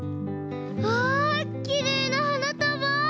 わあきれいなはなたば！